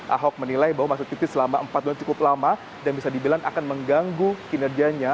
ahok menilai bahwa masa cuti selama empat bulan cukup lama dan bisa dibilang akan mengganggu kinerjanya